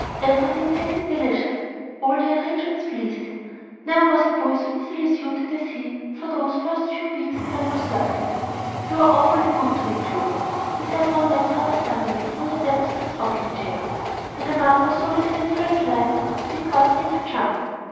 Everything tasted delicious; all the arrangements pleased him; never was boy so easily suited as he for those first few weeks at No. 13. "You're awfully good to me, Clover," he said one night rather suddenly, from the depths of his rocking chair. The remark was so little in Phil's line that it quite made her jump.